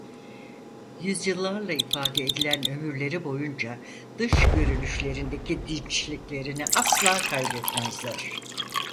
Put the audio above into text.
Yüzyıllarla ifade edilen ömürleri boyunca dış görünüşlerindeki dinçliklerini asla kaybetmezler.